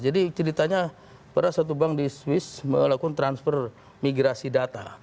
jadi ceritanya pernah satu bank di swiss melakukan transfer migrasi data